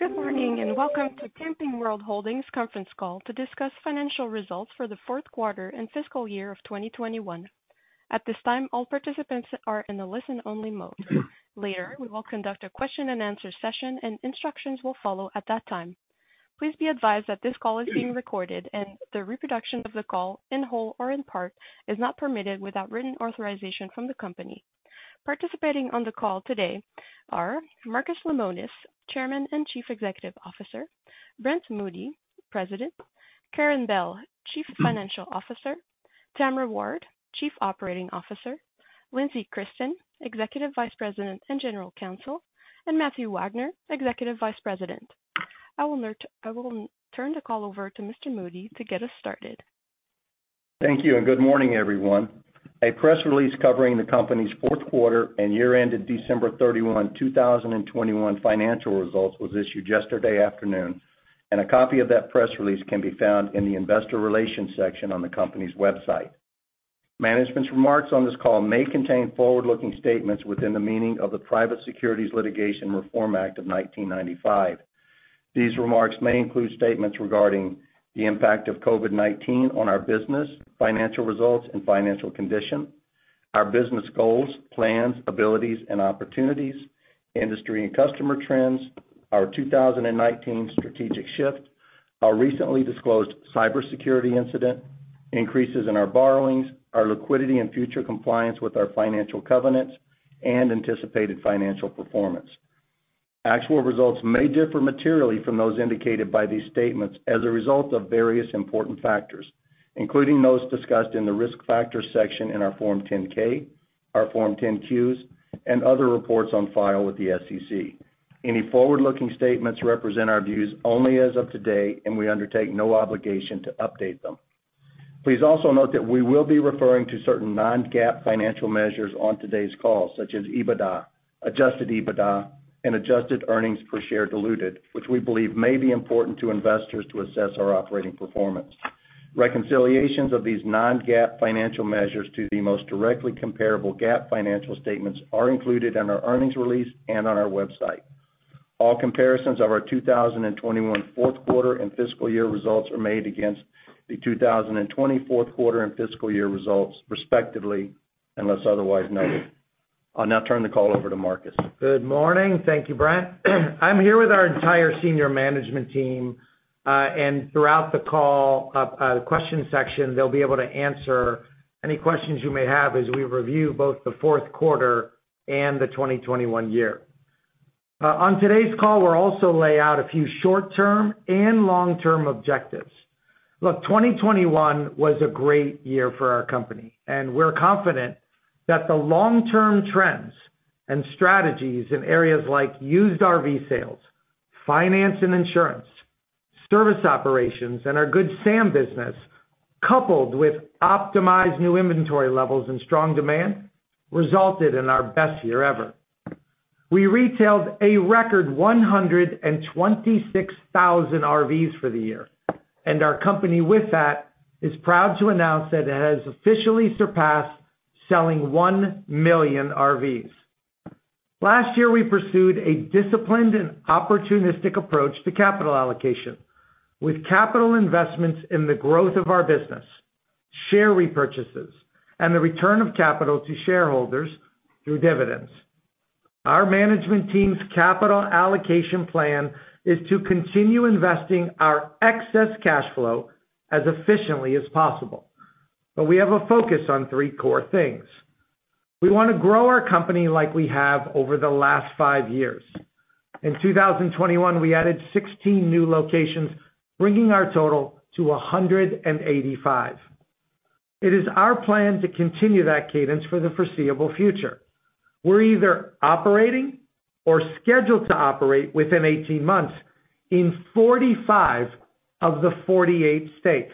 Good morning, and welcome to Camping World Holdings conference call to discuss financial results for the fourth quarter and fiscal year of 2021. At this time, all participants are in a listen-only mode. Later, we will conduct a question-and-answer session and instructions will follow at that time. Please be advised that this call is being recorded, and the reproduction of the call in whole or in part is not permitted without written authorization from the company. Participating on the call today are Marcus Lemonis, Chairman and Chief Executive Officer, Brent Moody, President, Karen Bell, Chief Financial Officer, Tamra Ward, Chief Operating Officer, Lindsey Christen, Executive Vice President and General Counsel, and Matthew Wagner, Executive Vice President. I will turn the call over to Mr. Moody to get us started. Thank you and good morning, everyone. A press release covering the company's fourth quarter and year-end at December 31, 2021 financial results was issued yesterday afternoon, and a copy of that press release can be found in the investor relations section on the company's website. Management's remarks on this call may contain forward-looking statements within the meaning of the Private Securities Litigation Reform Act of 1995. These remarks may include statements regarding the impact of COVID-19 on our business, financial results and financial condition, our business goals, plans, abilities and opportunities, industry and customer trends, our 2019 strategic shift, our recently disclosed cybersecurity incident, increases in our borrowings, our liquidity and future compliance with our financial covenants, and anticipated financial performance. Actual results may differ materially from those indicated by these statements as a result of various important factors, including those discussed in the Risk Factors section in our Form 10-K, our Form 10-Qs, and other reports on file with the SEC. Any forward-looking statements represent our views only as of today, and we undertake no obligation to update them. Please also note that we will be referring to certain non-GAAP financial measures on today's call, such as EBITDA, adjusted EBITDA and adjusted earnings per share diluted, which we believe may be important to investors to assess our operating performance. Reconciliations of these non-GAAP financial measures to the most directly comparable GAAP financial statements are included in our earnings release and on our website. All comparisons of our 2021 fourth quarter and fiscal year results are made against the 2020 fourth quarter and fiscal year results, respectively, unless otherwise noted. I'll now turn the call over to Marcus. Good morning. Thank you, Brent. I'm here with our entire senior management team, and throughout the call, the question section, they'll be able to answer any questions you may have as we review both the fourth quarter and the 2021 year. On today's call, we'll also lay out a few short-term and long-term objectives. Look, 2021 was a great year for our company, and we're confident that the long-term trends and strategies in areas like used RV sales, finance and insurance, service operations, and our Good Sam business, coupled with optimized new inventory levels and strong demand, resulted in our best year ever. We retailed a record 126,000 RVs for the year, and our company with that is proud to announce that it has officially surpassed selling 1 million RVs. Last year, we pursued a disciplined and opportunistic approach to capital allocation with capital investments in the growth of our business, share repurchases, and the return of capital to shareholders through dividends. Our management team's capital allocation plan is to continue investing our excess cash flow as efficiently as possible. We have a focus on three core things. We wanna grow our company like we have over the last five years. In 2021, we added 16 new locations, bringing our total to 185. It is our plan to continue that cadence for the foreseeable future. We're either operating or scheduled to operate within 18 months in 45 of the 48 states.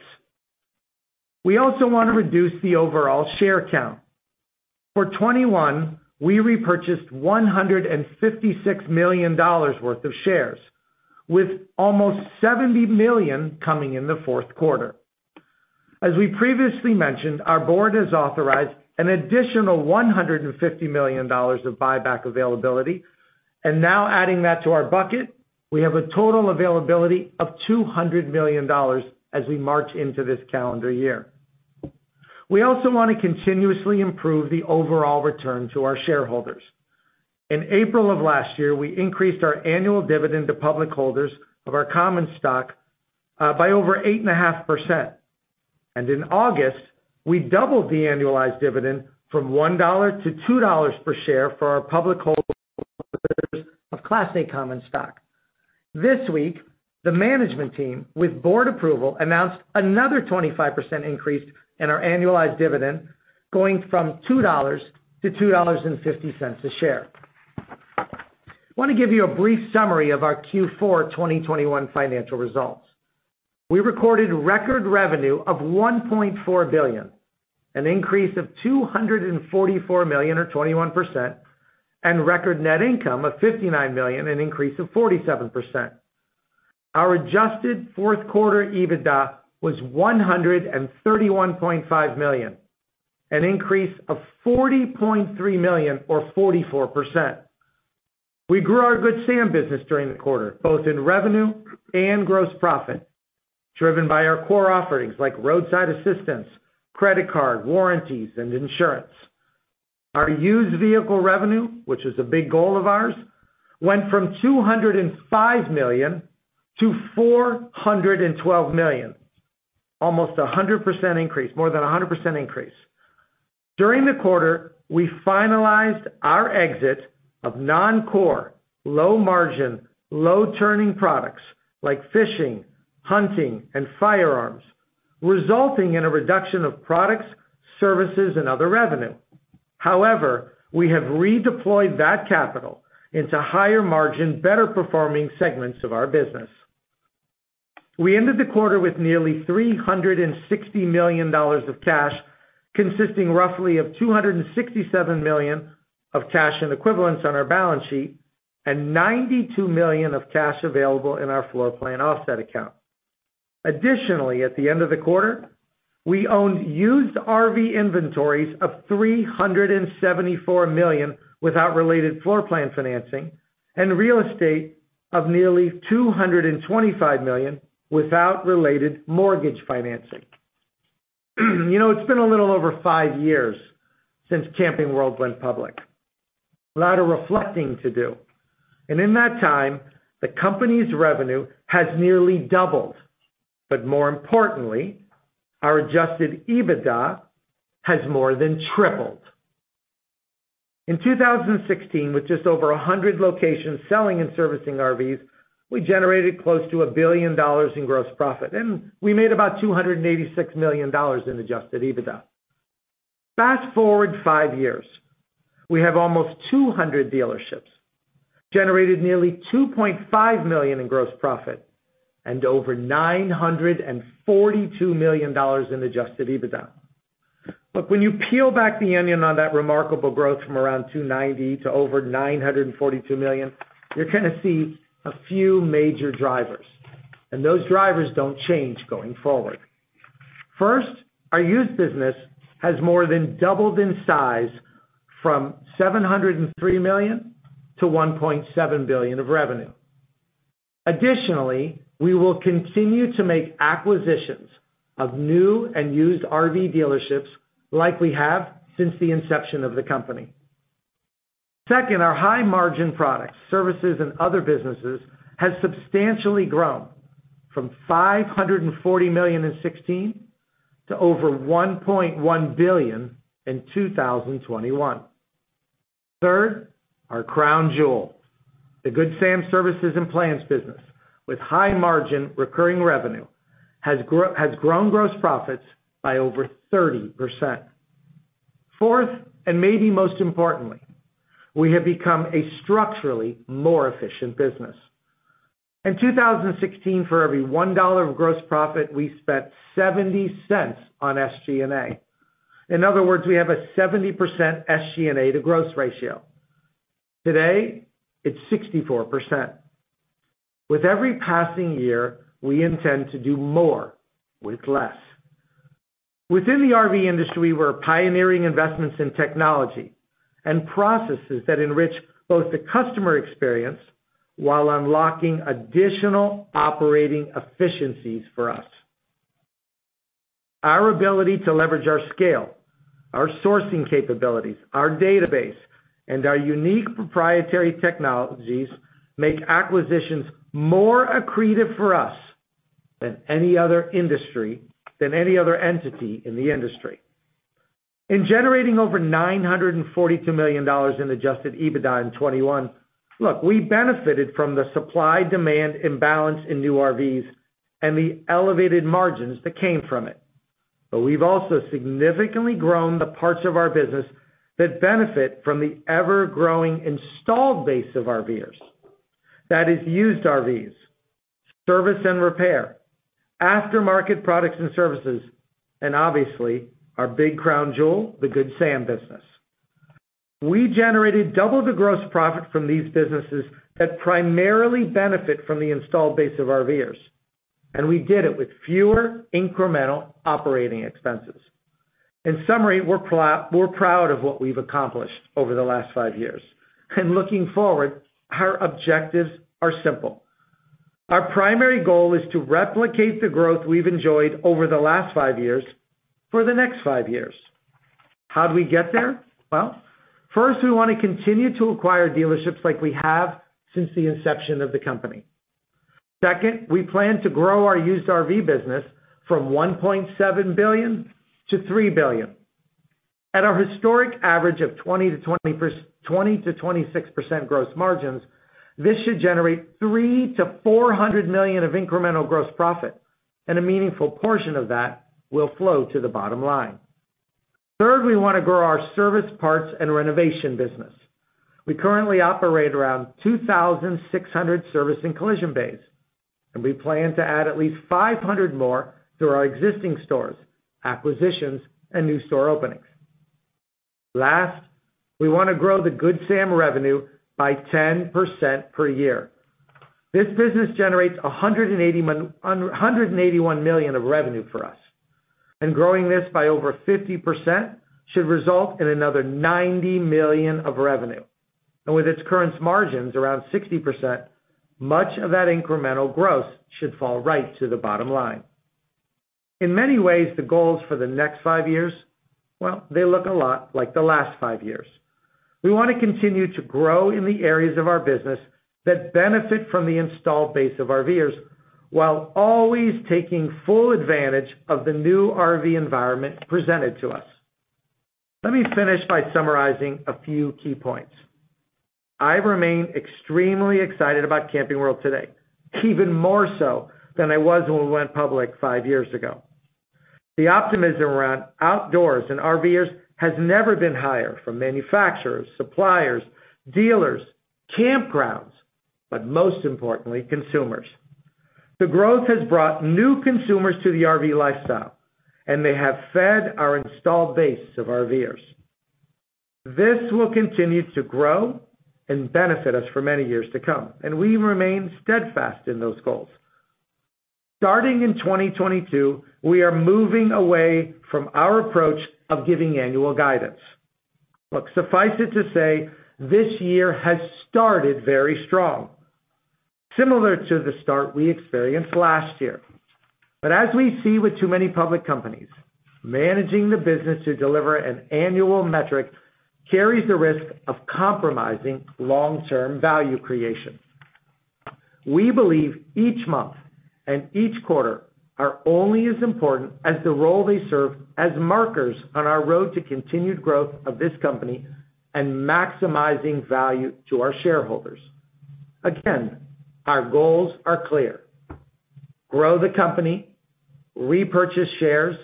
We also wanna reduce the overall share count. For 2021, we repurchased $156 million worth of shares, with almost $70 million coming in the fourth quarter. As we previously mentioned, our board has authorized an additional $150 million of buyback availability, and now adding that to our bucket, we have a total availability of $200 million as we march into this calendar year. We also wanna continuously improve the overall return to our shareholders. In April of last year, we increased our annual dividend to public holders of our common stock by over 8.5%. In August, we doubled the annualized dividend from $1 to $2 per share for our public holders of Class A common stock. This week, the management team, with board approval, announced another 25% increase in our annualized dividend, going from $2 to $2.50 a share. Wanna give you a brief summary of our Q4 2021 financial results. We recorded record revenue of $1.4 billion, an increase of $244 million or 21%, and record net income of $59 million, an increase of 47%. Our adjusted fourth quarter EBITDA was $131.5 million, an increase of $40.3 million or 44%. We grew our Good Sam business during the quarter, both in revenue and gross profit, driven by our core offerings like roadside assistance, credit card, warranties, and insurance. Our used vehicle revenue, which is a big goal of ours, went from $205 million to $412 million. Almost a 100% increase. More than a 100% increase. During the quarter, we finalized our exit of non-core, low margin, low turning products like fishing, hunting, and firearms, resulting in a reduction of products, services, and other revenue. However, we have redeployed that capital into higher margin, better performing segments of our business. We ended the quarter with nearly $360 million of cash, consisting roughly of $267 million of cash and equivalents on our balance sheet and $92 million of cash available in our floor plan offset account. Additionally, at the end of the quarter, we owned used RV inventories of $374 million without related floor plan financing and real estate of nearly $225 million without related mortgage financing. You know, it's been a little over five years since Camping World went public. A lot of reflecting to do. In that time, the company's revenue has nearly doubled. More importantly, our adjusted EBITDA has more than tripled. In 2016, with just over 100 locations selling and servicing RVs, we generated close to $1 billion in gross profit, and we made about $286 million in adjusted EBITDA. Fast-forward five years, we have almost 200 dealerships, generated nearly $2.5 billion in gross profit, and over $942 million in adjusted EBITDA. Look, when you peel back the onion on that remarkable growth from around $290 million to over $942 million, you're gonna see a few major drivers, and those drivers don't change going forward. First, our used business has more than doubled in size from $703 million to $1.7 billion of revenue. Additionally, we will continue to make acquisitions of new and used RV dealerships like we have since the inception of the company. Second, our high margin products, services, and other businesses has substantially grown from $540 million in 2016 to over $1.1 billion in 2021. Third, our crown jewel, the Good Sam Services and Plans business, with high margin recurring revenue has grown gross profits by over 30%. Fourth, and maybe most importantly, we have become a structurally more efficient business. In 2016, for every $1 of gross profit, we spent $0.70 on SG&A. In other words, we have a 70% SG&A to gross ratio. Today, it's 64%. With every passing year, we intend to do more with less. Within the RV industry, we're pioneering investments in technology and processes that enrich both the customer experience while unlocking additional operating efficiencies for us. Our ability to leverage our scale, our sourcing capabilities, our database, and our unique proprietary technologies make acquisitions more accretive for us than any other entity in the industry. In generating over $942 million in adjusted EBITDA in 2021, look, we benefited from the supply-demand imbalance in new RVs and the elevated margins that came from it. We've also significantly grown the parts of our business that benefit from the ever-growing installed base of RVers. That is used RVs, service and repair, aftermarket products and services, and obviously, our big crown jewel, the Good Sam business. We generated double the gross profit from these businesses that primarily benefit from the installed base of RVers, and we did it with fewer incremental operating expenses. In summary, we're proud of what we've accomplished over the last five years. Looking forward, our objectives are simple. Our primary goal is to replicate the growth we've enjoyed over the last five years for the next five years. How do we get there? Well, first, we wanna continue to acquire dealerships like we have since the inception of the company. Second, we plan to grow our used RV business from $1.7 billion to $3 billion. At our historic average of 20%-26% gross margins, this should generate $300 million-$400 million of incremental gross profit, and a meaningful portion of that will flow to the bottom line. Third, we wanna grow our service parts and renovation business. We currently operate around 2,600 service and collision bays, and we plan to add at least 500 more through our existing stores, acquisitions, and new store openings. Last, we wanna grow the Good Sam revenue by 10% per year. This business generates $181 million of revenue for us, and growing this by over 50% should result in another $90 million of revenue. With its current margins around 60%, much of that incremental growth should fall right to the bottom line. In many ways, the goals for the next five years, well, they look a lot like the last five years. We wanna continue to grow in the areas of our business that benefit from the installed base of RVers while always taking full advantage of the new RV environment presented to us. Let me finish by summarizing a few key points. I remain extremely excited about Camping World today, even more so than I was when we went public five years ago. The optimism around outdoors and RVers has never been higher for manufacturers, suppliers, dealers, campgrounds, but most importantly, consumers. The growth has brought new consumers to the RV lifestyle, and they have fed our installed base of RVers. This will continue to grow and benefit us for many years to come, and we remain steadfast in those goals. Starting in 2022, we are moving away from our approach of giving annual guidance. Look, suffice it to say, this year has started very strong, similar to the start we experienced last year. As we see with too many public companies, managing the business to deliver an annual metric carries the risk of compromising long-term value creation. We believe each month and each quarter are only as important as the role they serve as markers on our road to continued growth of this company and maximizing value to our shareholders. Again, our goals are clear. Grow the company, repurchase shares,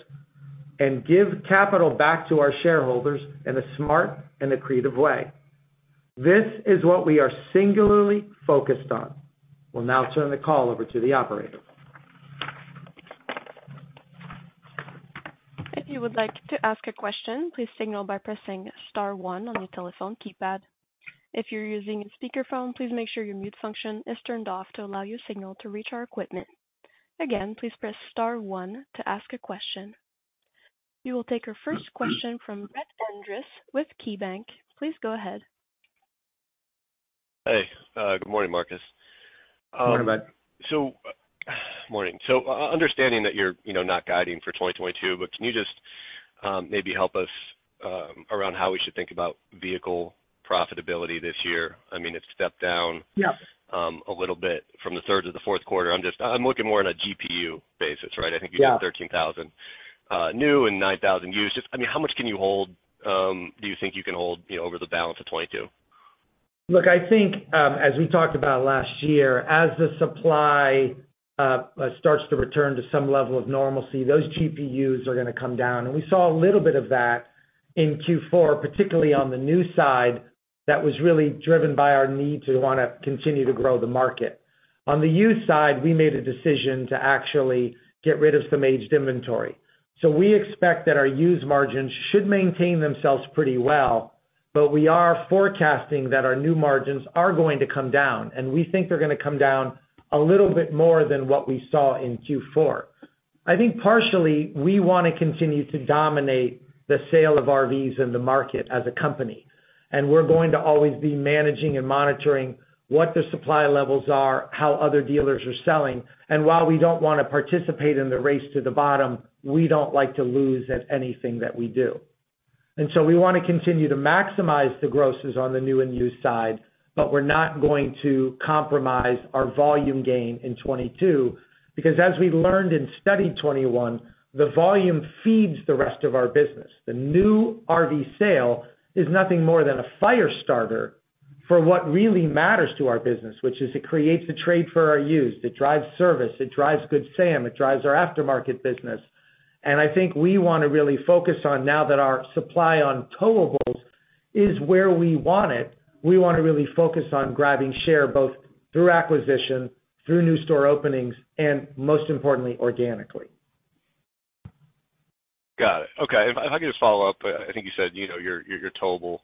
and give capital back to our shareholders in a smart and creative way. This is what we are singularly focused on. We'll now turn the call over to the operator. If you would like to ask a question, please signal by pressing star one on your telephone keypad. If you're using a speakerphone, please make sure your mute function is turned off to allow your signal to reach our equipment. Again, please press star one to ask a question. We will take our first question from Brett Andress with KeyBanc. Please go ahead. Hey, good morning, Marcus. Good morning, Brett. Good morning. Understanding that you're, you know, not guiding for 2022, but can you just maybe help us around how we should think about vehicle profitability this year? I mean, it stepped down. Yeah. A little bit from the third to the fourth quarter. I'm looking more on a GPU basis, right? Yeah. I think you did 13,000 new and 9,000 used. Just, I mean, how much can you hold, do you think you can hold, you know, over the balance of 2022? Look, I think, as we talked about last year, as the supply starts to return to some level of normalcy, those GPUs are gonna come down. We saw a little bit of that in Q4, particularly on the new side that was really driven by our need to wanna continue to grow the market. On the used side, we made a decision to actually get rid of some aged inventory. We expect that our used margins should maintain themselves pretty well, but we are forecasting that our new margins are going to come down, and we think they're gonna come down a little bit more than what we saw in Q4. I think partially we wanna continue to dominate the sale of RVs in the market as a company, and we're going to always be managing and monitoring what the supply levels are, how other dealers are selling. While we don't wanna participate in the race to the bottom, we don't like to lose at anything that we do. We wanna continue to maximize the grosses on the new and used side, but we're not going to compromise our volume gain in 2022, because as we learned in 2021, the volume feeds the rest of our business. The new RV sale is nothing more than a fire starter for what really matters to our business, which is it creates the trade for our used, it drives service, it drives Good Sam, it drives our aftermarket business. I think we wanna really focus on now that our supply on towables is where we want it. We wanna really focus on grabbing share both through acquisition, through new store openings, and most importantly, organically. Got it. Okay. If I could just follow up. I think you said, you know, your towable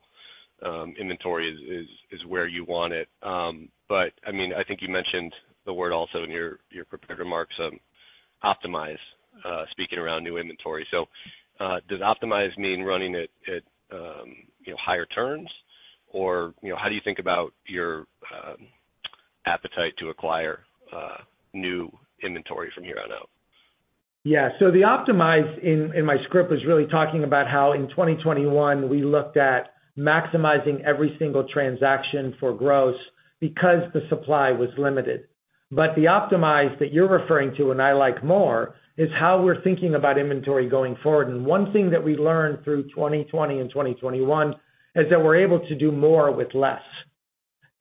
inventory is where you want it. But I mean, I think you mentioned the word also in your prepared remarks, optimize speaking around new inventory. Does optimize mean running it at, you know, higher turns or, you know, how do you think about your appetite to acquire new inventory from here on out? Yeah. The optimization in my script was really talking about how in 2021 we looked at maximizing every single transaction for growth because the supply was limited. The optimization that you're referring to, and I like more, is how we're thinking about inventory going forward. One thing that we learned through 2020 and 2021 is that we're able to do more with less.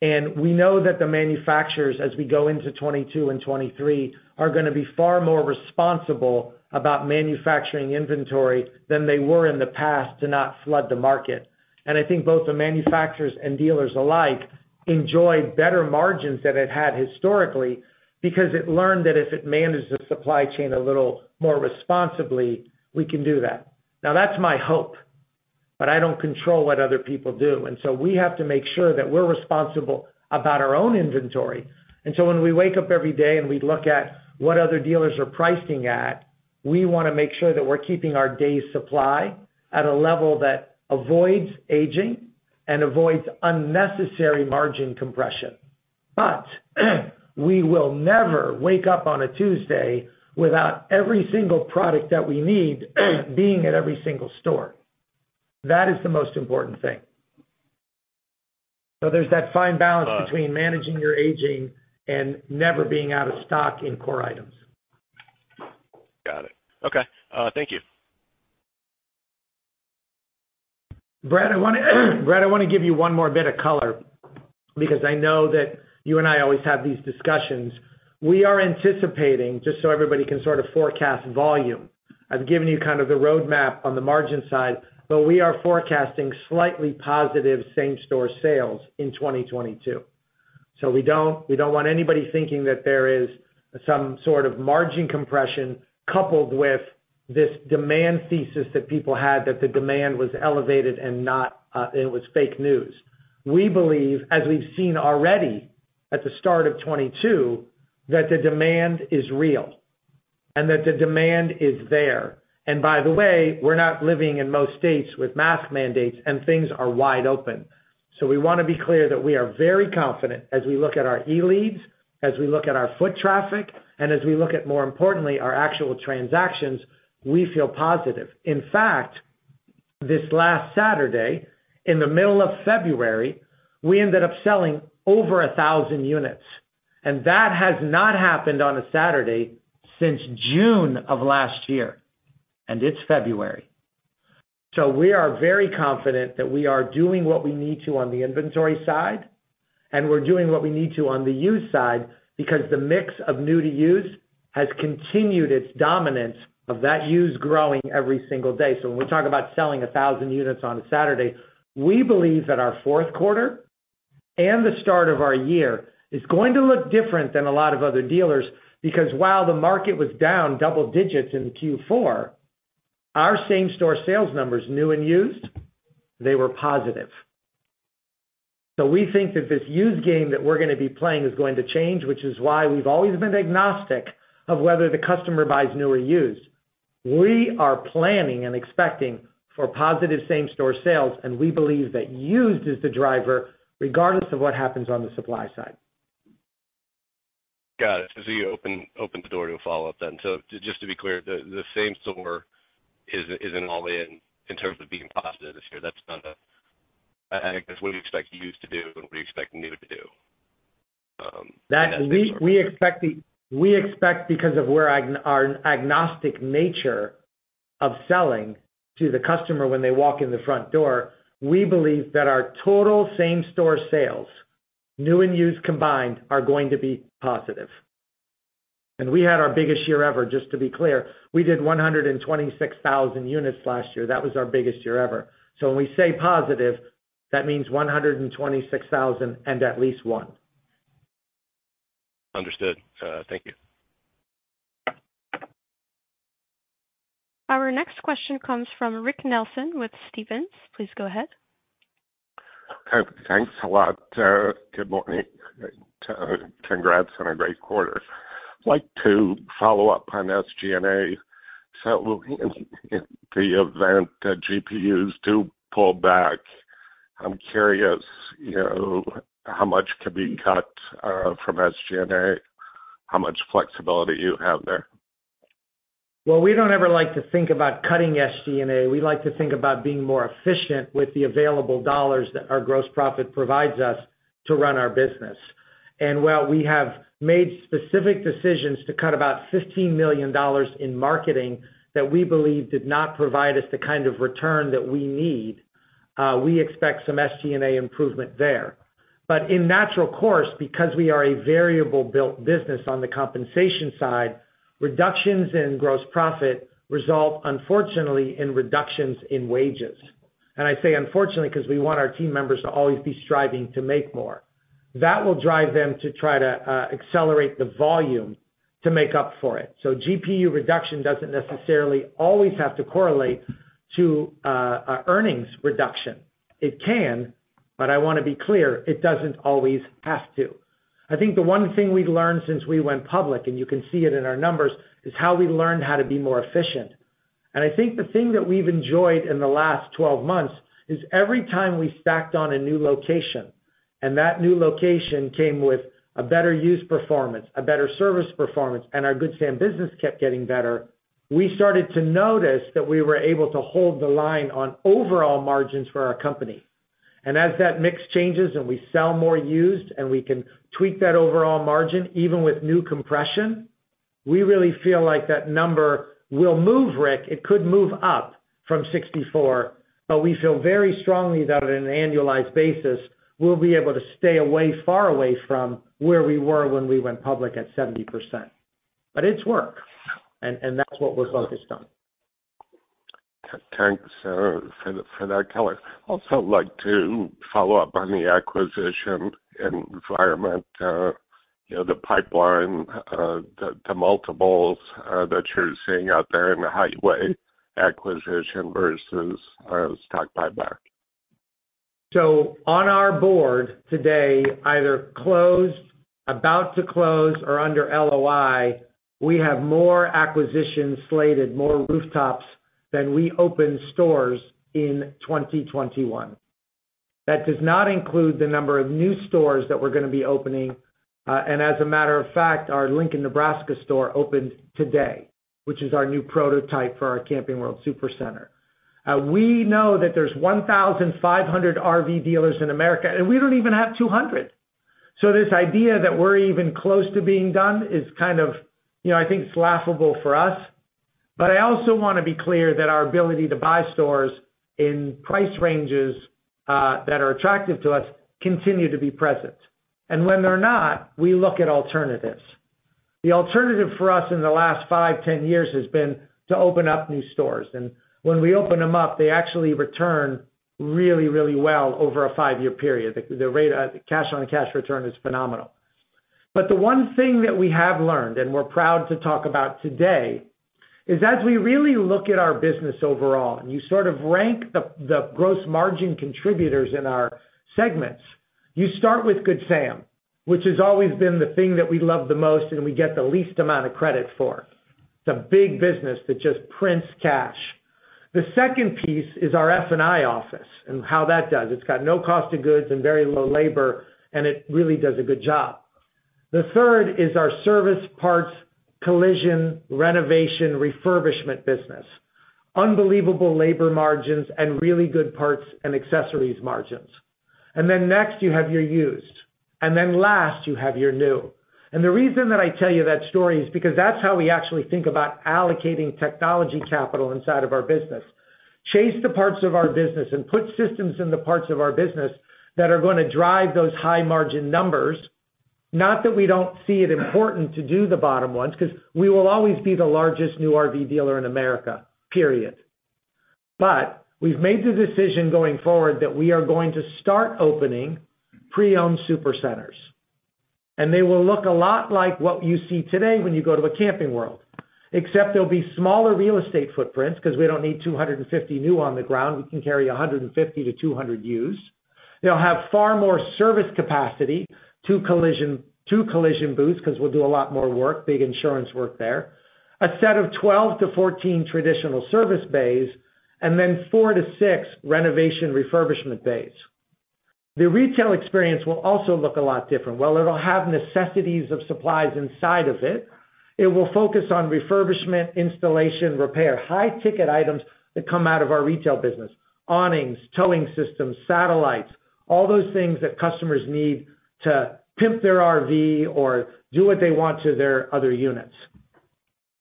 We know that the manufacturers, as we go into 2022 and 2023, are gonna be far more responsible about manufacturing inventory than they were in the past to not flood the market. I think both the manufacturers and dealers alike enjoyed better margins than they had historically because they learned that if they manage the supply chain a little more responsibly, we can do that. Now, that's my hope. I don't control what other people do. We have to make sure that we're responsible about our own inventory. When we wake up every day and we look at what other dealers are pricing at, we wanna make sure that we're keeping our days supply at a level that avoids aging and avoids unnecessary margin compression. We will never wake up on a Tuesday without every single product that we need being at every single store. That is the most important thing. There's that fine balance between managing your aging and never being out of stock in core items. Got it. Okay. Thank you. Brad, I wanna give you one more bit of color because I know that you and I always have these discussions. We are anticipating just so everybody can sort of forecast volume. I've given you kind of the roadmap on the margin side, but we are forecasting slightly positive same-store sales in 2022. We don't want anybody thinking that there is some sort of margin compression coupled with this demand thesis that people had, that the demand was elevated and not it was fake news. We believe, as we've seen already at the start of 2022, that the demand is real and that the demand is there. By the way, we're not living in most states with mask mandates, and things are wide open. We wanna be clear that we are very confident as we look at our e-leads, as we look at our foot traffic, and as we look at, more importantly, our actual transactions, we feel positive. In fact, this last Saturday, in the middle of February, we ended up selling over 1,000 units, and that has not happened on a Saturday since June of last year, and it's February. We are very confident that we are doing what we need to on the inventory side, and we're doing what we need to on the used side because the mix of new to used has continued its dominance of that used growing every single day. When we talk about selling 1,000 units on a Saturday, we believe that our fourth quarter and the start of our year is going to look different than a lot of other dealers because while the market was down double digits in Q4, our same-store sales numbers, new and used, they were positive. We think that this used game that we're gonna be playing is going to change, which is why we've always been agnostic of whether the customer buys new or used. We are planning and expecting for positive same-store sales, and we believe that used is the driver regardless of what happens on the supply side. Got it. You open the door to a follow-up then. Just to be clear, the same store isn't all in terms of being positive this year? I guess what do you expect used to do and what are you expecting new to do in that [same store]? We expect because of our agnostic nature of selling to the customer when they walk in the front door, we believe that our total same-store sales, new and used combined, are going to be positive. We had our biggest year ever, just to be clear. We did 126,000 units last year. That was our biggest year ever. When we say positive, that means 126,000 and at least one. Understood. Thank you. Our next question comes from Rick Nelson with Stephens. Please go ahead. Okay. Thanks a lot. Good morning. Congrats on a great quarter. I'd like to follow up on SG&A. In the event that GPUs do pull back, I'm curious, you know, how much could be cut from SG&A, how much flexibility you have there? Well, we don't ever like to think about cutting SG&A. We like to think about being more efficient with the available dollars that our gross profit provides us to run our business. While we have made specific decisions to cut about $15 million in marketing that we believe did not provide us the kind of return that we need, we expect some SG&A improvement there. In natural course, because we are a variable cost business on the compensation side, reductions in gross profit result, unfortunately, in reductions in wages. I say unfortunately, 'cause we want our team members to always be striving to make more. That will drive them to try to accelerate the volume to make up for it. GPU reduction doesn't necessarily always have to correlate to an earnings reduction. It can, but I wanna be clear, it doesn't always have to. I think the one thing we've learned since we went public, and you can see it in our numbers, is how we learned how to be more efficient. I think the thing that we've enjoyed in the last 12 months is every time we stacked on a new location and that new location came with a better used performance, a better service performance, and our Good Sam business kept getting better, we started to notice that we were able to hold the line on overall margins for our company. As that mix changes and we sell more used and we can tweak that overall margin, even with new compression, we really feel like that number will move, Rick. It could move up from 64%, but we feel very strongly that on an annualized basis, we'll be able to stay away, far away from where we were when we went public at 70%. It's work, and that's what we're focused on. Thanks for that color. I'd also like to follow up on the acquisition environment. You know, the pipeline, the multiples that you're seeing out there in the highway acquisition versus stock buyback. On our board today, either closed, about to close, or under LOI, we have more acquisitions slated, more rooftops than we opened stores in 2021. That does not include the number of new stores that we're gonna be opening. As a matter of fact, our Lincoln, Nebraska store opens today, which is our new prototype for our Camping World superCenter. We know that there's 1,500 RV dealers in America, and we don't even have 200. This idea that we're even close to being done is kind of, you know, I think it's laughable for us. I also wanna be clear that our ability to buy stores in price ranges that are attractive to us continue to be present. When they're not, we look at alternatives. The alternative for us in the last five, 10 years has been to open up new stores. When we open them up, they actually return really, really well over a five year period. The rate, the cash-on-cash return is phenomenal. The one thing that we have learned, and we're proud to talk about today, is as we really look at our business overall, and you sort of rank the gross margin contributors in our segments, you start with Good Sam, which has always been the thing that we love the most and we get the least amount of credit for. It's a big business that just prints cash. The second piece is our F&I office and how that does. It's got no cost of goods and very low labor, and it really does a good job. The third is our service, parts, collision, renovation, refurbishment business. Unbelievable labor margins and really good parts and accessories margins. Then next you have your used. Then last you have your new. The reason that I tell you that story is because that's how we actually think about allocating technology capital inside of our business. Chase the parts of our business and put systems in the parts of our business that are gonna drive those high margin numbers. Not that we don't see it important to do the bottom ones, 'cause we will always be the largest new RV dealer in America, period. We've made the decision going forward that we are going to start opening pre-owned super centers. They will look a lot like what you see today when you go to a Camping World, except they'll be smaller real estate footprints 'cause we don't need 250 new on the ground. We can carry 150-200 used. They'll have far more service capacity, two collision booths, 'cause we'll do a lot more work, big insurance work there. A set of 12-14 traditional service bays, and then four to six renovation refurbishment bays. The retail experience will also look a lot different. While it'll have necessities of supplies inside of it will focus on refurbishment, installation, repair. High ticket items that come out of our retail business. Awnings, towing systems, satellites, all those things that customers need to pimp their RV or do what they want to their other units.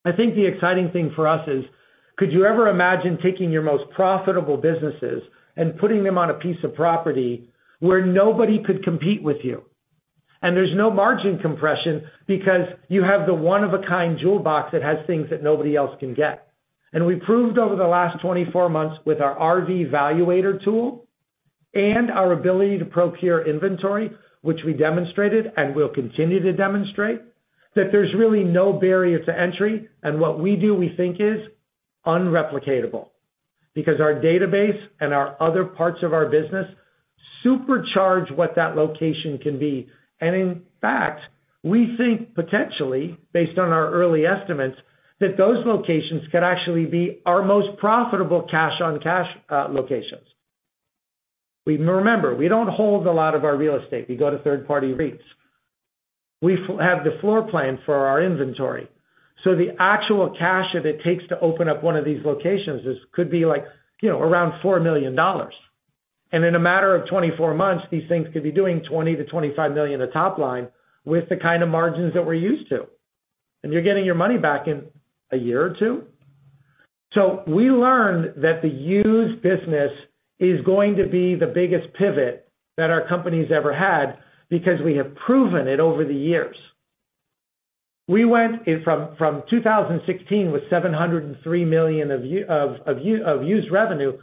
I think the exciting thing for us is, could you ever imagine taking your most profitable businesses and putting them on a piece of property where nobody could compete with you? There's no margin compression because you have the one of a kind jewel box that has things that nobody else can get. We've proved over the last 24 months with our RV Valuator tool and our ability to procure inventory, which we demonstrated and will continue to demonstrate, that there's really no barrier to entry, and what we do we think is unreplicatable. Because our database and our other parts of our business supercharge what that location can be. In fact, we think potentially, based on our early estimates, that those locations could actually be our most profitable cash-on-cash locations. Remember, we don't hold a lot of our real estate. We go to third-party REITs. We have the floor plan for our inventory. The actual cash that it takes to open up one of these locations is, could be like, you know, around $4 million. In a matter of 24 months, these things could be doing $20 million-$25 million of top line with the kind of margins that we're used to. You're getting your money back in a year or two. We learned that the used business is going to be the biggest pivot that our company's ever had because we have proven it over the years. We went in from 2016 with $703 million of used revenue to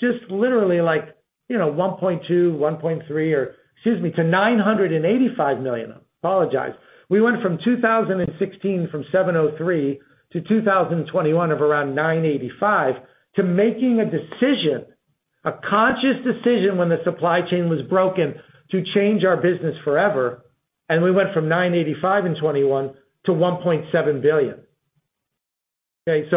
just literally like, you know, $1.2 billion, $1.3 billion or. Excuse me, to $985 million. Apologize. We went from 2016 from $703 to 2021 of around $985 to making a decision, a conscious decision when the supply chain was broken, to change our business forever. We went from $985 in 2021 to $1.7 billion. Okay,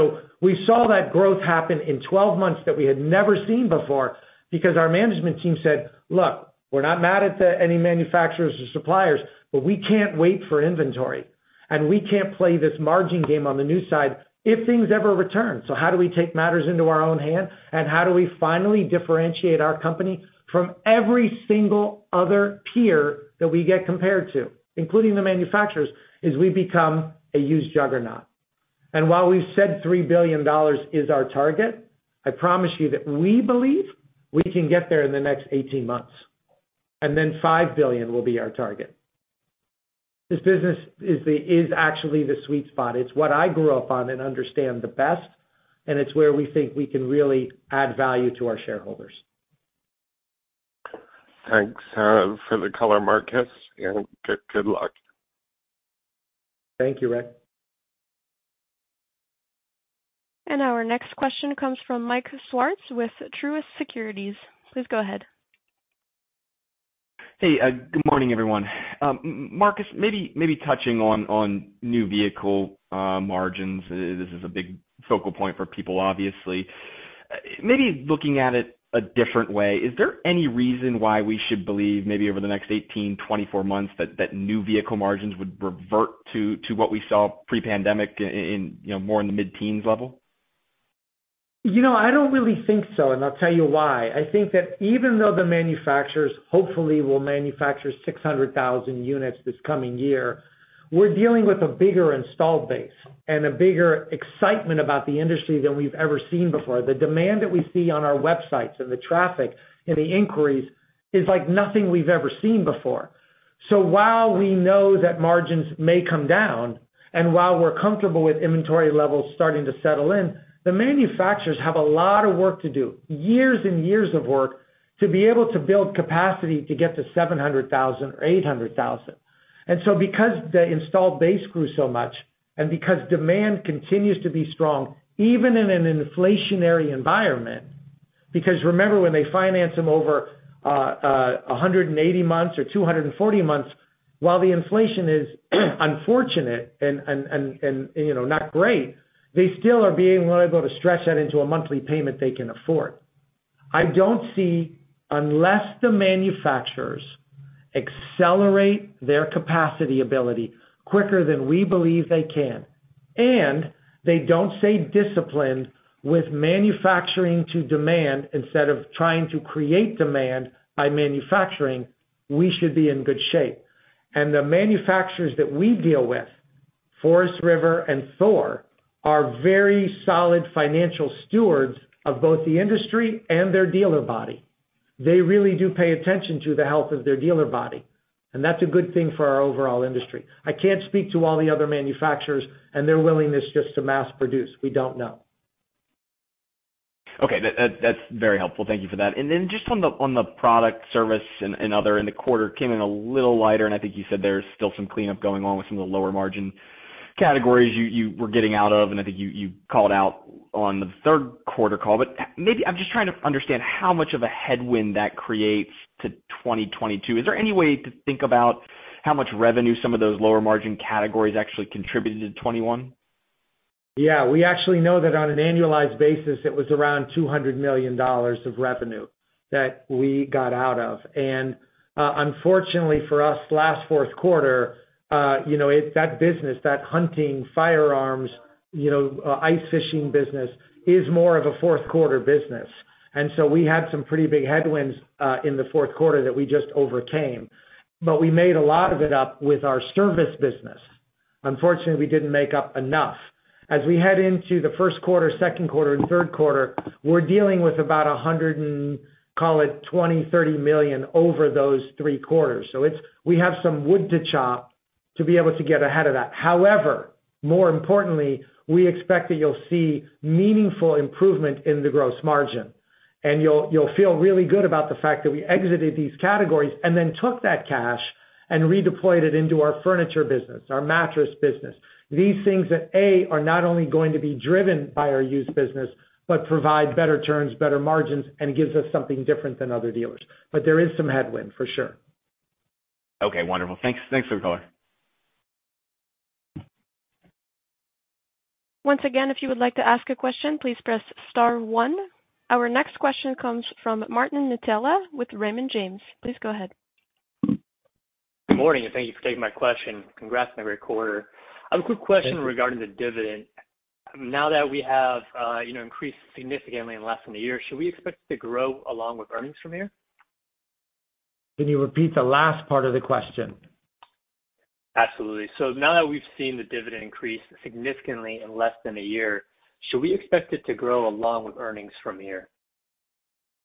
we saw that growth happen in 12 months that we had never seen before because our management team said, "Look, we're not mad at any manufacturers or suppliers, but we can't wait for inventory. We can't play this margin game on the new side if things ever return. How do we take matters into our own hands, and how do we finally differentiate our company from every single other peer that we get compared to, including the manufacturers, is we become a used juggernaut?" While we've said $3 billion is our target, I promise you that we believe we can get there in the next 18 months, and then $5 billion will be our target. This business is actually the sweet spot. It's what I grew up on and understand the best, and it's where we think we can really add value to our shareholders. Thanks for the color, Marcus, and good luck. Thank you, Rick. Our next question comes from Mike Swartz with Truist Securities. Please go ahead. Hey, good morning, everyone. Marcus, maybe touching on new vehicle margins. This is a big focal point for people, obviously. Maybe looking at it a different way, is there any reason why we should believe maybe over the next 18-24 months that new vehicle margins would revert to what we saw pre-pandemic in, you know, more in the mid-teens level? You know, I don't really think so, and I'll tell you why. I think that even though the manufacturers hopefully will manufacture 600,000 units this coming year, we're dealing with a bigger installed base and a bigger excitement about the industry than we've ever seen before. The demand that we see on our websites and the traffic and the inquiries is like nothing we've ever seen before. While we know that margins may come down, and while we're comfortable with inventory levels starting to settle in, the manufacturers have a lot of work to do, years and years of work, to be able to build capacity to get to 700,000, 800,000. Because the installed base grew so much and because demand continues to be strong, even in an inflationary environment, because remember when they finance them over 180 months or 240 months, while the inflation is unfortunate and, you know, not great, they still are being willing to go to stretch that into a monthly payment they can afford. I don't see, unless the manufacturers accelerate their capacity ability quicker than we believe they can, and they don't stay disciplined with manufacturing to demand instead of trying to create demand by manufacturing, we should be in good shape. The manufacturers that we deal with, Forest River and Thor, are very solid financial stewards of both the industry and their dealer body. They really do pay attention to the health of their dealer body, and that's a good thing for our overall industry. I can't speak to all the other manufacturers and their willingness just to mass produce. We don't know. Okay. That's very helpful. Thank you for that. Then just on the product service and other in the quarter came in a little lighter, and I think you said there's still some cleanup going on with some of the lower margin categories you were getting out of, and I think you called out on the third quarter call. Maybe I'm just trying to understand how much of a headwind that creates to 2022. Is there any way to think about how much revenue some of those lower margin categories actually contributed to 2021? We actually know that on an annualized basis, it was around $200 million of revenue that we got out of. Unfortunately for us last fourth quarter, you know, that business, that hunting, firearms, you know, ice fishing business is more of a fourth quarter business. We had some pretty big headwinds in the fourth quarter that we just overcame. We made a lot of it up with our service business. Unfortunately, we didn't make up enough. As we head into the first quarter, second quarter and third quarter, we're dealing with about $120 million-$130 million over those three quarters. We have some wood to chop to be able to get ahead of that. However, more importantly, we expect that you'll see meaningful improvement in the gross margin. You'll feel really good about the fact that we exited these categories and then took that cash and redeployed it into our furniture business, our mattress business. These things that are not only going to be driven by our used business, but provide better turns, better margins, and gives us something different than other dealers. There is some headwind for sure. Okay, wonderful. Thanks for color. Once again, if you would like to ask a question, please press star one. Our next question comes from Martin Mitela with Raymond James. Please go ahead. Good morning, and thank you for taking my question. Congrats on a great quarter. Thank you. I have a quick question regarding the dividend. Now that we have, you know, increased significantly in less than a year, should we expect it to grow along with earnings from here? Can you repeat the last part of the question? Absolutely. Now that we've seen the dividend increase significantly in less than a year, should we expect it to grow along with earnings from here?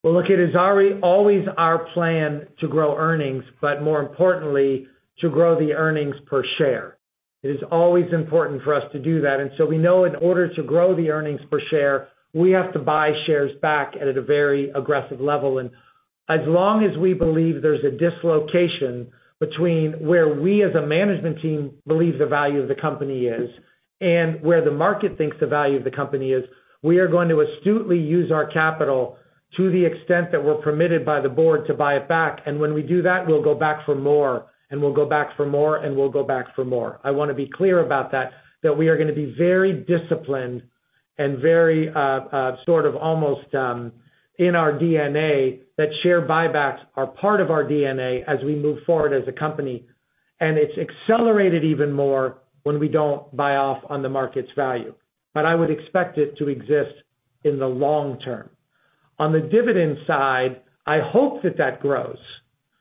Well, look, it is already always our plan to grow earnings, but more importantly, to grow the earnings per share. It is always important for us to do that. We know in order to grow the earnings per share, we have to buy shares back at a very aggressive level. As long as we believe there's a dislocation between where we as a management team believe the value of the company is and where the market thinks the value of the company is, we are going to astutely use our capital to the extent that we're permitted by the board to buy it back. When we do that, we'll go back for more and we'll go back for more and we'll go back for more. I wanna be clear about that we are gonna be very disciplined and very, sort of almost, in our DNA, that share buybacks are part of our DNA as we move forward as a company, and it's accelerated even more when we don't buy into the market's value. I would expect it to exist in the long term. On the dividend side, I hope that grows.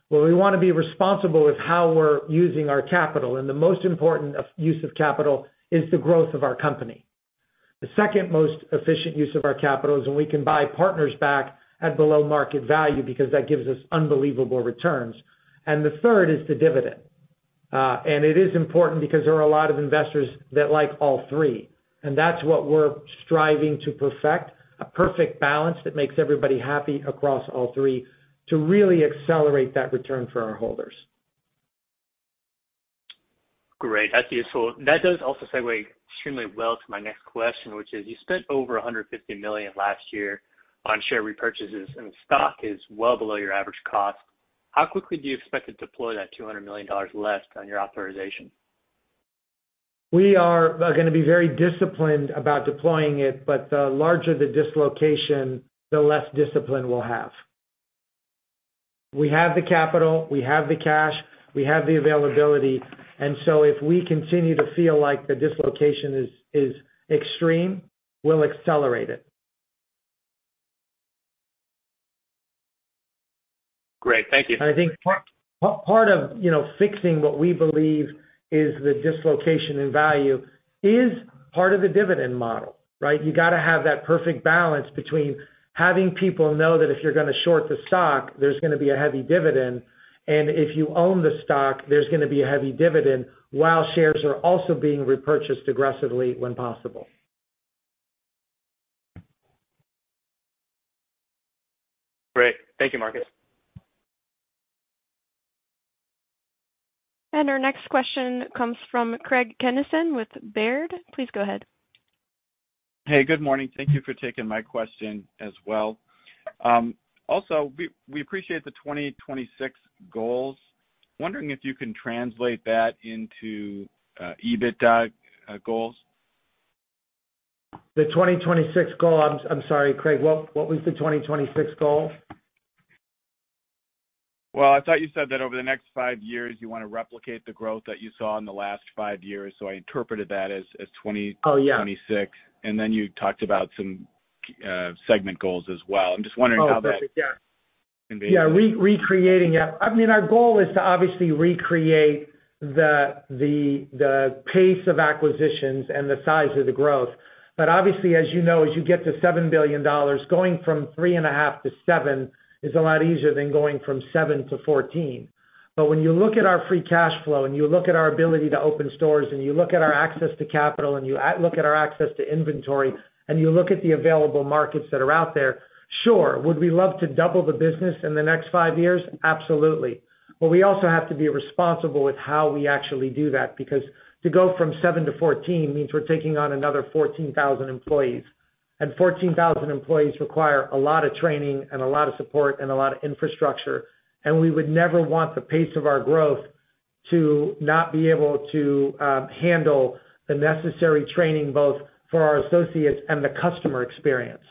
We wanna be responsible with how we're using our capital, and the most important use of capital is the growth of our company. The second most efficient use of our capital is when we can buy shares back at below market value because that gives us unbelievable returns. The third is the dividend. It is important because there are a lot of investors that like all three, and that's what we're striving to perfect, a perfect balance that makes everybody happy across all three to really accelerate that return for our holders. Great. That's useful. That does also segue extremely well to my next question, which is you spent over $150 million last year on share repurchases, and stock is well below your average cost. How quickly do you expect to deploy that $200 million left on your authorization? We are gonna be very disciplined about deploying it, but the larger the dislocation, the less discipline we'll have. We have the capital, we have the cash, we have the availability, and so if we continue to feel like the dislocation is extreme, we'll accelerate it. Great. Thank you. I think part of, you know, fixing what we believe is the dislocation in value is part of the dividend model, right? You gotta have that perfect balance between having people know that if you're gonna short the stock, there's gonna be a heavy dividend, and if you own the stock, there's gonna be a heavy dividend while shares are also being repurchased aggressively when possible. Great. Thank you, Marcus. Our next question comes from Craig Kennison with Baird. Please go ahead. Hey, good morning. Thank you for taking my question as well. Also, we appreciate the 2026 goals. Wondering if you can translate that into EBITDA goals. The 2026 goal. I'm sorry, Craig. What was the 2026 goal? Well, I thought you said that over the next five years, you wanna replicate the growth that you saw in the last five years, so I interpreted that as 2026. Oh, yeah. Then you talked about some segment goals as well. I'm just wondering how that. Oh, that's it. Yeah. Can be. Yeah, recreating. I mean, our goal is to obviously recreate the pace of acquisitions and the size of the growth. Obviously, as you know, as you get to $7 billion, going from $3.5 billion to $7 billion is a lot easier than going from $7 billion to $14 billion. When you look at our free cash flow, and you look at our ability to open stores, and you look at our access to capital, and you look at our access to inventory, and you look at the available markets that are out there, sure. Would we love to double the business in the next five years? Absolutely. We also have to be responsible with how we actually do that, because to go from $7 billion to $14 billion means we're taking on another 14,000 employees. 14,000 employees require a lot of training and a lot of support and a lot of infrastructure, and we would never want the pace of our growth to not be able to handle the necessary training, both for our associates and the customer experience.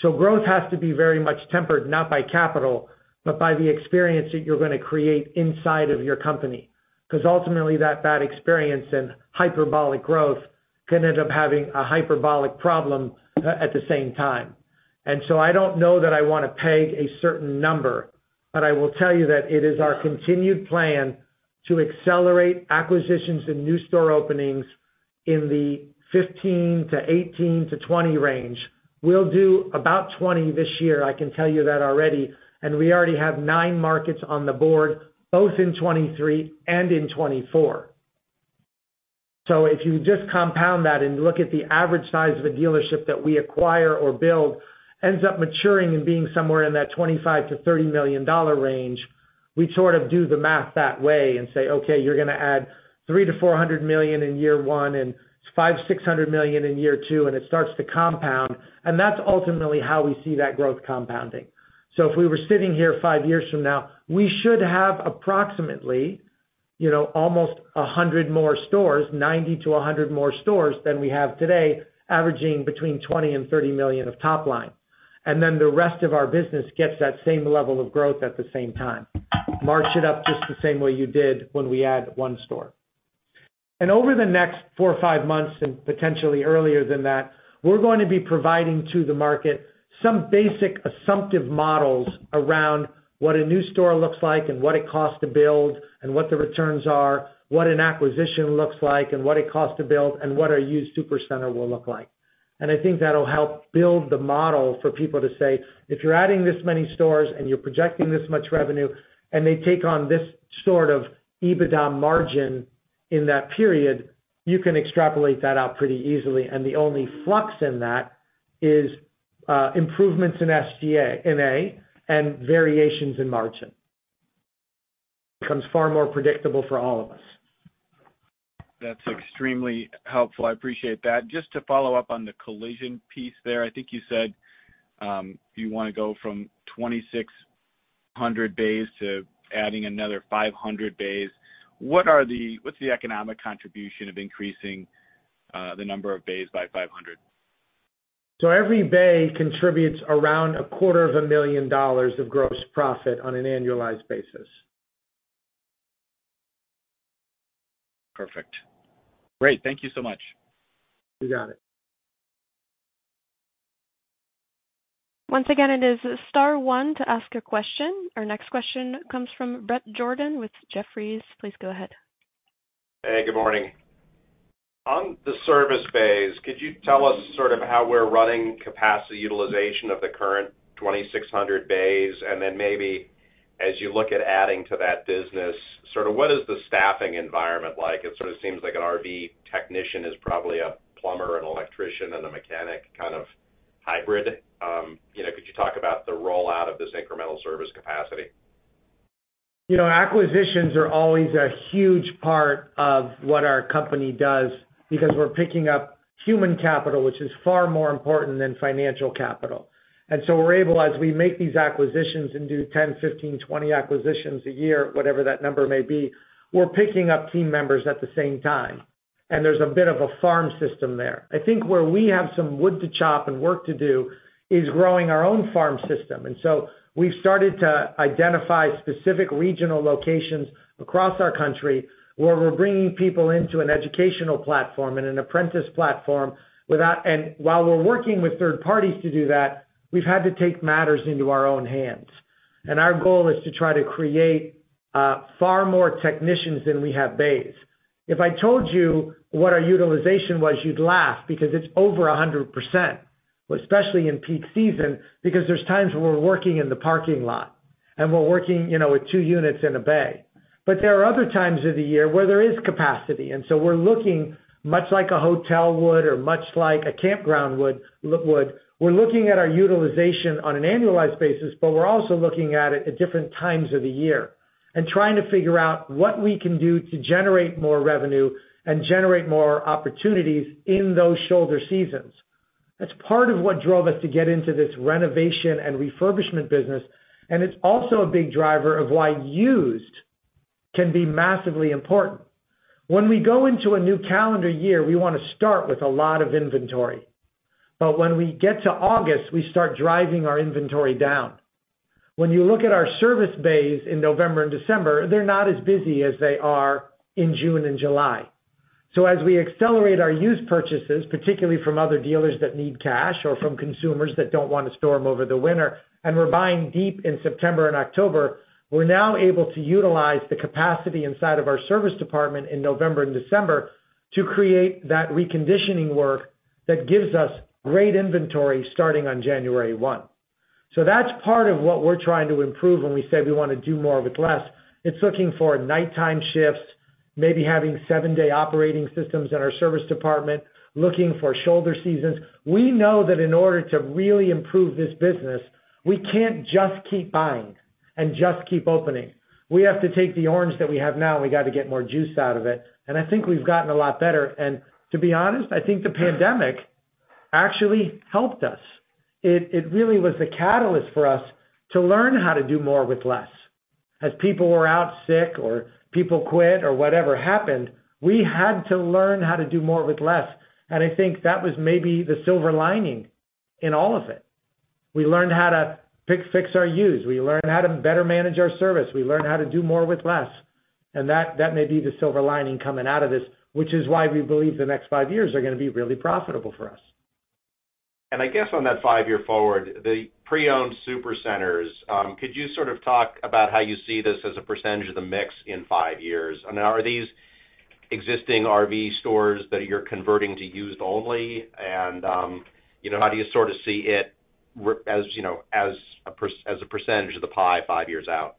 Growth has to be very much tempered, not by capital, but by the experience that you're gonna create inside of your company. 'Cause ultimately, that bad experience and hyperbolic growth can end up having a hyperbolic problem at the same time. I don't know that I wanna peg a certain number, but I will tell you that it is our continued plan to accelerate acquisitions and new store openings in the 15 to 18 to 20 range. We'll do about 20 this year, I can tell you that already, and we already have nine markets on the board, both in 2023 and in 2024. If you just compound that and look at the average size of a dealership that we acquire or build, ends up maturing and being somewhere in that $25 million-$30 million range, we sort of do the math that way and say, okay, you're gonna add $300 million-$400 million in year one and $500 million-$600 million in year two, and it starts to compound. That's ultimately how we see that growth compounding. If we were sitting here five years from now, we should have approximately, you know, almost 100 more stores, 90-100 more stores than we have today, averaging between $20 million-$30 million of top line. Then the rest of our business gets that same level of growth at the same time. March it up just the same way you did when we add one store. Over the next four or five months, and potentially earlier than that, we're going to be providing to the market some basic assumptive models around what a new store looks like and what it costs to build and what the returns are, what an acquisition looks like and what it costs to build, and what our used super center will look like. I think that'll help build the model for people to say, if you're adding this many stores and you're projecting this much revenue, and they take on this sort of EBITDA margin in that period, you can extrapolate that out pretty easily. The only flux in that is improvements in SG&A and variations in margin. It becomes far more predictable for all of us. That's extremely helpful. I appreciate that. Just to follow up on the collision piece there. I think you said you wanna go from 2,600 bays to adding another 500 bays. What's the economic contribution of increasing the number of bays by 500? Every bay contributes around a quarter of a million dollars of gross profit on an annualized basis. Perfect. Great. Thank you so much. You got it. Once again, it is star one to ask a question. Our next question comes from Bret Jordan with Jefferies. Please go ahead. Hey, good morning. On the service bays, could you tell us sort of how we're running capacity utilization of the current 2,600 bays? Then maybe as you look at adding to that business, sort of what is the staffing environment like? It sort of seems like an RV technician is probably a plumber, an electrician, and a mechanic kind of hybrid. You know, could you talk about the rollout of this incremental service capacity? You know, acquisitions are always a huge part of what our company does because we're picking up human capital, which is far more important than financial capital. We're able, as we make these acquisitions and do 10, 15, 20 acquisitions a year, whatever that number may be, we're picking up team members at the same time, and there's a bit of a farm system there. I think where we have some wood to chop and work to do is growing our own farm system. We've started to identify specific regional locations across our country where we're bringing people into an educational platform and an apprentice platform. While we're working with third parties to do that, we've had to take matters into our own hands. Our goal is to try to create far more technicians than we have bays. If I told you what our utilization was, you'd laugh because it's over 100%, especially in peak season, because there's times where we're working in the parking lot and we're working, you know, with two units in a bay. There are other times of the year where there is capacity, and so we're looking much like a hotel would or much like a campground would. We're looking at our utilization on an annualized basis, but we're also looking at it at different times of the year and trying to figure out what we can do to generate more revenue and generate more opportunities in those shoulder seasons. That's part of what drove us to get into this renovation and refurbishment business, and it's also a big driver of why used can be massively important. When we go into a new calendar year, we wanna start with a lot of inventory. When we get to August, we start driving our inventory down. When you look at our service bays in November and December, they're not as busy as they are in June and July. As we accelerate our used purchases, particularly from other dealers that need cash or from consumers that don't want to store them over the winter, and we're buying deep in September and October, we're now able to utilize the capacity inside of our service department in November and December to create that reconditioning work that gives us great inventory starting on January 1. That's part of what we're trying to improve when we say we wanna do more with less. It's looking for nighttime shifts, maybe having seven-day operating systems in our service department, looking for shoulder seasons. We know that in order to really improve this business, we can't just keep buying and just keep opening. We have to take the orange that we have now, and we got to get more juice out of it, and I think we've gotten a lot better. To be honest, I think the pandemic actually helped us. It really was the catalyst for us to learn how to do more with less. As people were out sick, or people quit, or whatever happened, we had to learn how to do more with less, and I think that was maybe the silver lining in all of it. We learned how to fix our used. We learned how to better manage our service. We learned how to do more with less. That may be the silver lining coming out of this, which is why we believe the next five years are gonna be really profitable for us. I guess on that five-year forward, the pre-owned super centers, could you sort of talk about how you see this as a percentage of the mix in five years? Are these existing RV stores that you're converting to used only? You know, how do you sort of see it as a percentage of the pie five years out?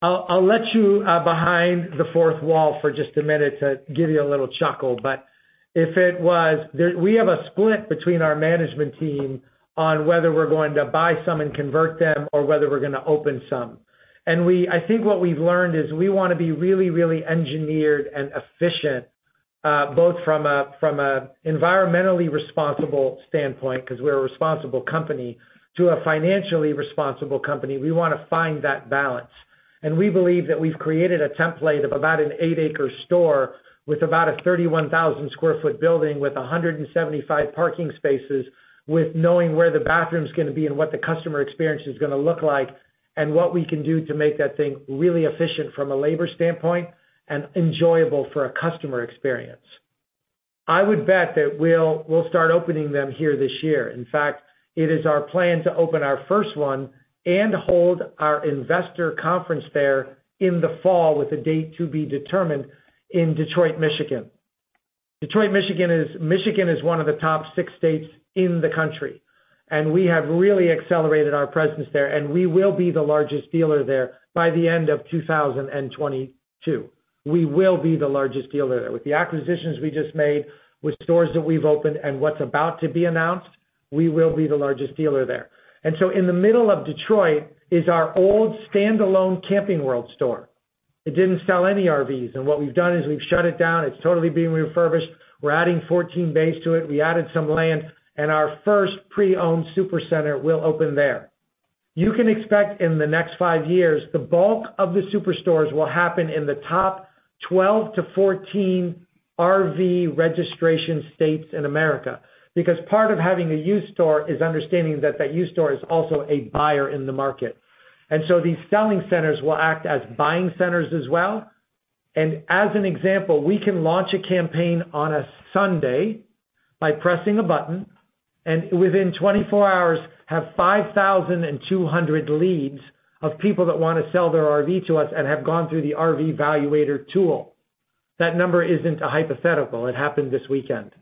I'll let you behind the fourth wall for just a minute to give you a little chuckle. We have a split between our management team on whether we're going to buy some and convert them or whether we're gonna open some. I think what we've learned is we wanna be really engineered and efficient, both from a environmentally responsible standpoint, 'cause we're a responsible company, to a financially responsible company. We wanna find that balance. We believe that we've created a template of about an eight acre store with about a 31,000 sq ft building with 175 parking spaces, with knowing where the bathroom's gonna be and what the customer experience is gonna look like and what we can do to make that thing really efficient from a labor standpoint and enjoyable for a customer experience. I would bet that we'll start opening them here this year. In fact, it is our plan to open our first one and hold our investor conference there in the fall with the date to be determined in Detroit, Michigan. Detroit, Michigan. Michigan is one of the top six states in the country, and we have really accelerated our presence there, and we will be the largest dealer there by the end of 2022. We will be the largest dealer there. With the acquisitions we just made, with stores that we've opened and what's about to be announced, we will be the largest dealer there. In the middle of Detroit is our old standalone Camping World store. It didn't sell any RVs, and what we've done is we've shut it down. It's totally being refurbished. We're adding 14 bays to it. We added some land, and our first pre-owned super center will open there. You can expect in the next five years, the bulk of the super stores will happen in the top 12 to 14 RV registration states in America because part of having a used store is understanding that that used store is also a buyer in the market. These selling centers will act as buying centers as well. As an example, we can launch a campaign on a Sunday by pressing a button and within 24 hours have 5,200 leads of people that wanna sell their RV to us and have gone through the RV Valuator tool. That number isn't a hypothetical. It happened this weekend.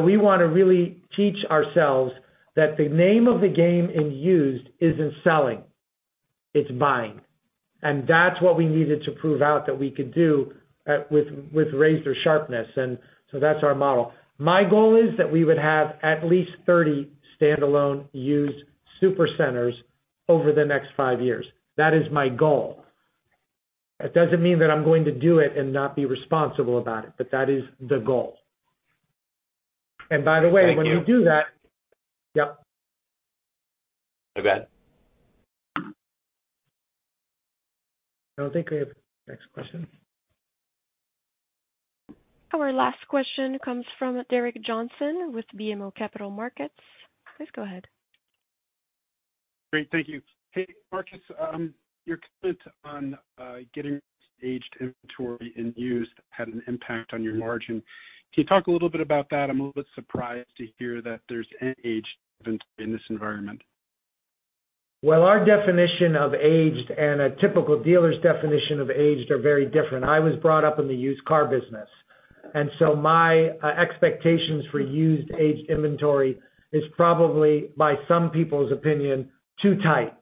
We wanna really teach ourselves that the name of the game in used isn't selling, it's buying. That's what we needed to prove out that we could do with razor sharpness. That's our model. My goal is that we would have at least 30 standalone used super centers over the next five years. That is my goal. It doesn't mean that I'm going to do it and not be responsible about it, but that is the goal. By the way. Thank you. When we do that. Yep. Go ahead. I'll take next question. Our last question comes from Gerrick Johnson with BMO Capital Markets. Please go ahead. Great. Thank you. Hey, Marcus. Your comment on getting aged inventory in used had an impact on your margin. Can you talk a little bit about that? I'm a little bit surprised to hear that there's any age in this environment. Well, our definition of aged and a typical dealer's definition of aged are very different. I was brought up in the used car business, and so my expectations for used aged inventory is probably, by some people's opinion, too tight.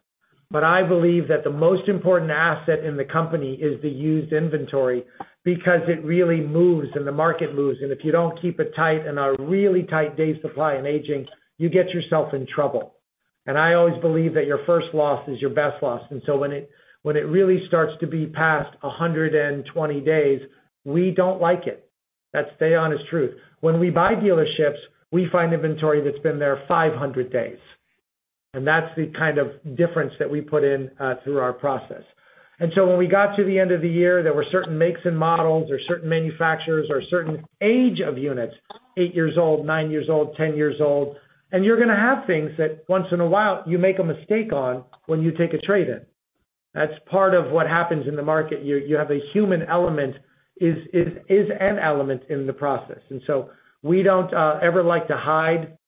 I believe that the most important asset in the company is the used inventory because it really moves and the market moves. If you don't keep it tight in a really tight days supply and aging, you get yourself in trouble. I always believe that your first loss is your best loss. When it really starts to be past 120 days, we don't like it. That's the honest truth. When we buy dealerships, we find inventory that's been there 500 days. That's the kind of difference that we put in through our process. When we got to the end of the year, there were certain makes and models or certain manufacturers or certain age of units, eight years old, nine years old, 10 years old. You're gonna have things that once in a while you make a mistake on when you take a trade-in. That's part of what happens in the market. You have a human element is an element in the process. We don't ever like to hide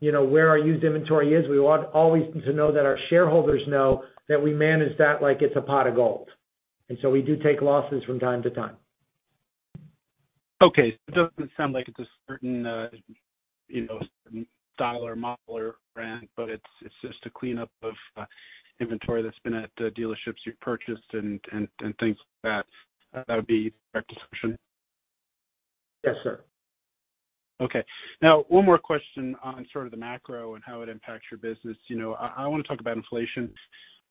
you know where our used inventory is. We want always to know that our shareholders know that we manage that like it's a pot of gold. We do take losses from time to time. Okay. It doesn't sound like it's a certain, you know, certain style or model or brand, but it's just a cleanup of inventory that's been at the dealerships you've purchased and things like that. That would be a correct assumption? Yes, sir. Okay. Now one more question on sort of the macro and how it impacts your business. You know, I wanna talk about inflation,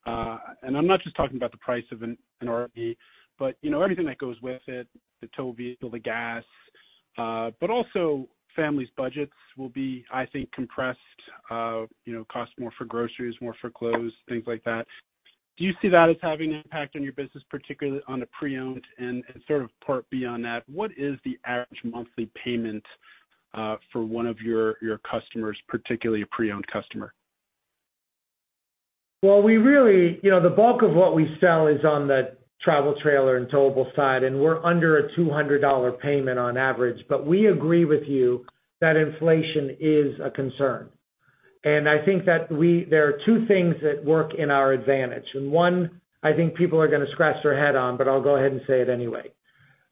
and I'm not just talking about the price of an RV, but you know, everything that goes with it, the tow vehicle, the gas, but also families' budgets will be, I think, compressed, you know, cost more for groceries, more for clothes, things like that. Do you see that as having an impact on your business, particularly on a pre-owned? And sort of apart from that, what is the average monthly payment for one of your customers, particularly a pre-owned customer? Well, we really, you know, the bulk of what we sell is on the travel trailer and towable side, and we're under a $200 payment on average. We agree with you that inflation is a concern. I think there are two things that work in our advantage, and one, I think people are gonna scratch their head on, but I'll go ahead and say it anyway.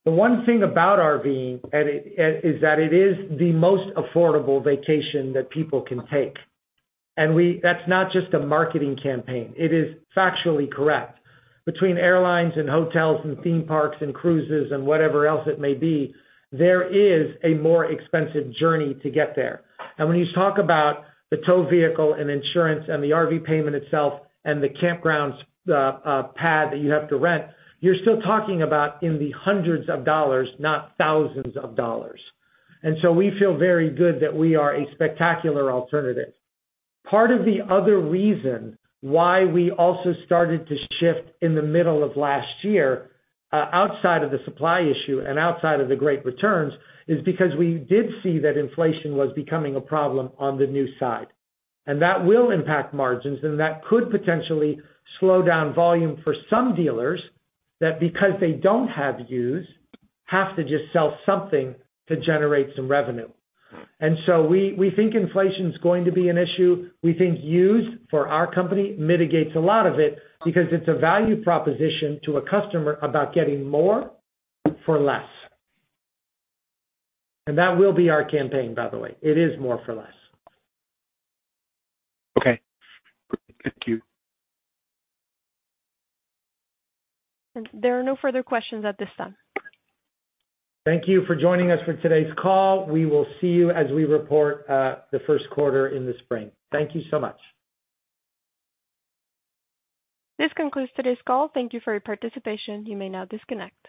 The one thing about RVing at it is that it is the most affordable vacation that people can take. That's not just a marketing campaign. It is factually correct. Between airlines and hotels and theme parks and cruises and whatever else it may be, there is a more expensive journey to get there. When you talk about the tow vehicle and insurance and the RV payment itself and the campgrounds, pad that you have to rent, you're still talking about in the hundreds of dollars, not thousands of dollars. We feel very good that we are a spectacular alternative. Part of the other reason why we also started to shift in the middle of last year, outside of the supply issue and outside of the great returns, is because we did see that inflation was becoming a problem on the new side. That will impact margins, and that could potentially slow down volume for some dealers that because they don't have used, have to just sell something to generate some revenue. We think inflation's going to be an issue. We think used for our company mitigates a lot of it because it's a value proposition to a customer about getting more for less. That will be our campaign, by the way. It is more for less. Okay. Thank you. There are no further questions at this time. Thank you for joining us for today's call. We will see you as we report the first quarter in the spring. Thank you so much. This concludes today's call. Thank you for your participation. You may now disconnect.